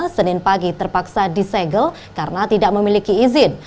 senin pagi terpaksa disegel karena tidak memiliki izin